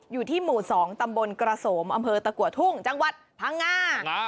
อยู่ที่หมู่๒ตำบลกระโสมอำเภอตะกัวทุ่งจังหวัดพังงา